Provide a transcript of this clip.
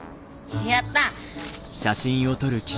やった！